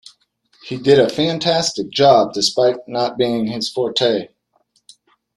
He did a fantastic job despite it not being his Forte.